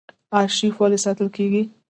ارشیف ولې ساتل کیږي؟